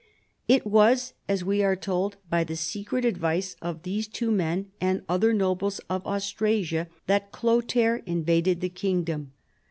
It was, as we are told, by the secret advice of these two men and other nobles of Austrasia that Chlothair invaded the kingdom.